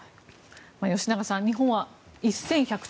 吉永さん、日本は１１００兆円